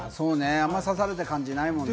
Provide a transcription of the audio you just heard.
あんま刺された感じ、ないもんね。